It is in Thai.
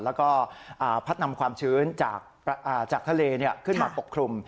แล้วก็พัดนำความชื้นจากทะเลขึ้นมาปกคลุม